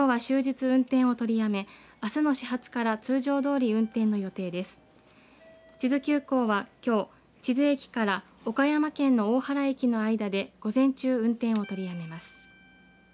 智頭急行は、きょう智頭駅から岡山県の大原駅の間で午前中、運転を取りやめます。